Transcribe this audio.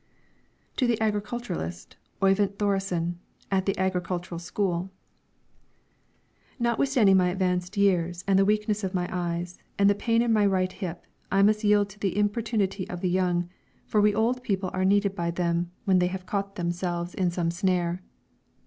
TO THE AGRICULTURIST, OYVIND THORESEN, AT THE AGRICULTURAL SCHOOL: Notwithstanding my advanced years, and the weakness of my eyes, and the pain in my right hip, I must yield to the importunity of the young, for we old people are needed by them when they have caught themselves in some snare.